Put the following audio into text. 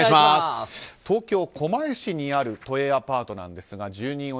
東京・狛江市にある都営アパートですが住人